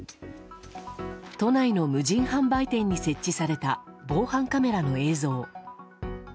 都内の無人販売店に設置された防犯カメラの映像。